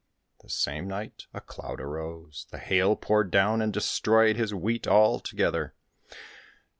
The same night a cloud arose, the hail poured down, and destroyed his wheat altogether.